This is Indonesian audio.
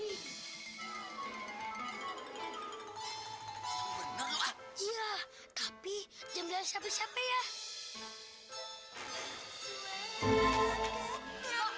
iya tapi jangan bilang siapa siapa ya